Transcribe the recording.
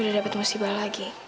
udah dapet musibah lagi